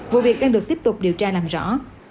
vụ việc đang được tiếp tục điều tra làm rõ